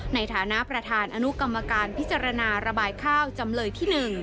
ในฐานะประธานอนุกรรมการพิจารณาระบายข้าวจำเลยที่๑